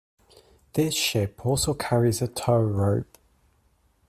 The ship also carries a tow rope.